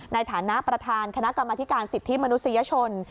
ในฐานะประธานคณะกรรมธิการสิทธิมนุษยชน